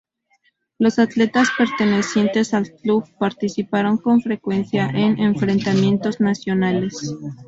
Los atletas pertenecientes al club participaron con frecuencia en enfrentamientos nacionales.